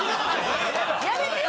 やめてよ！